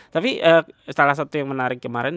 tapi salah satu yang menarik kemarin